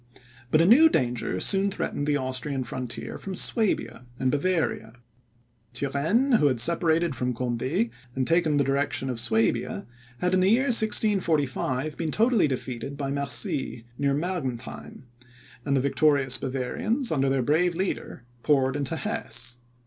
But a new danger soon threatened the Austrian frontier from Suabia and Bavaria. Turenne, who had separated from Conde, and taken the direction of Suabia, had, in the year 1645, been totally defeated by Mercy, near Mergentheim; and the victorious Bavarians, under their brave leader, poured into Hesse.